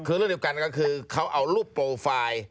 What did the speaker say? คือเรื่องเดียวกันก็คือเขาเอารูปโปรไฟล์